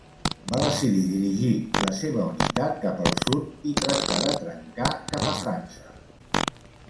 Va decidir dirigir la seva unitat cap al sud i tractar de trencar cap a França.